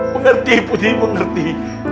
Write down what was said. mengerti putri mengerti